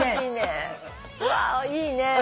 あいいね。